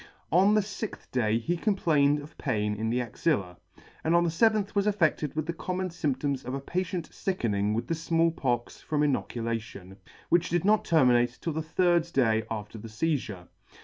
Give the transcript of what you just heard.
On the lixth day he complained of pain in the axilla, and on the feventh was affe&ed with the common fymp toms of a patient fickening with the Small Pox from inocula tion, which did not terminate 'till the third day after the feizure.